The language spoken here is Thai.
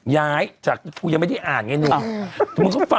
ย้ายจากกูยังไม่ได้อ่านไงหนึ่ง